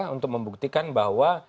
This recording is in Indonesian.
untuk membuktikan bahwa